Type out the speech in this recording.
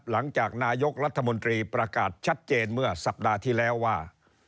หลังจากนายกรัฐมนตรีประกาศชัดเจนเมื่อสัปดาห์ที่แล้วว่า